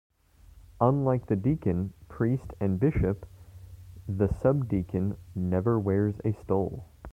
Unlike the deacon, priest, and bishop, the subdeacon never wears a stole.